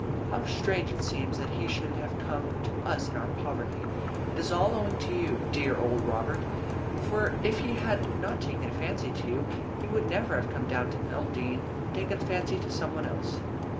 "How strange it seems that he should have come to us in our poverty. It is all owing to you, you dear old Robert; for if he had not taken a fancy to you, he would never have come down to Elmdene and taken a fancy to some one else."